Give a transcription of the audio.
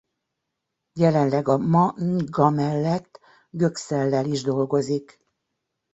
Jelenleg a maNga mellett Göksel-lel is dolgozik.